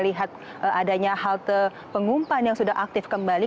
lihat adanya halte pengumpan yang sudah aktif kembali